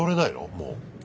もう。